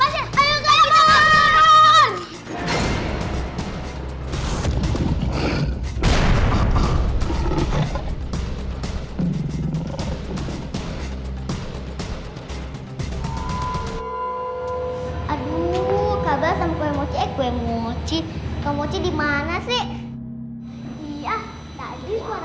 aduh kagak sampai mocek gue moci moci dimana sih